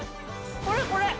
これこれ！